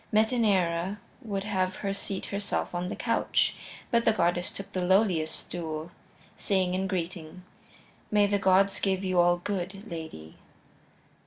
Metaneira would have her seat herself on the couch but the goddess took the lowliest stool, saying in greeting: "May the gods give you all good, lady."